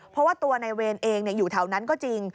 เพราะว่าตัวนายเวรเองอยู่แถวนั้นก็จริง